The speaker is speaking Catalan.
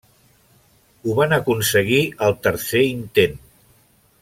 Ho van aconseguir el tercer intent.